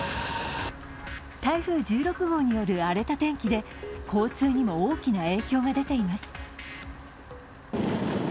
台風１６号による荒れた天気で交通にも大きな影響が出ています。